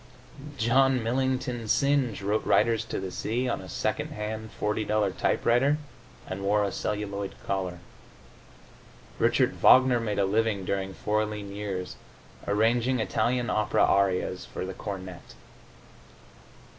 John Millington Synge wrote "Riders to the Sea" on a second hand $40 typewriter, and wore a celluloid collar. Richard Wagner made a living, during four lean years, arranging Italian opera arias for the cornet.